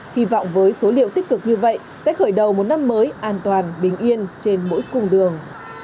hy vọng với số liệu tích cực như vậy sẽ khởi đầu một năm mới an toàn bình yên trên mỗi cung đường